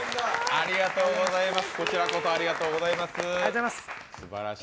ありがとうございます。